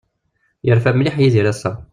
Yerfa mliḥ Yidir ass-a.